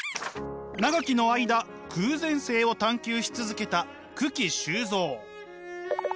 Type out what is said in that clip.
長きの間偶然性を探求し続けた九鬼周造。